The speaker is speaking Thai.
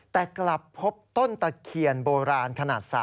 แต่กลับพบต้นตะเคียนโบราณขนาด๓